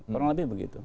kurang lebih begitu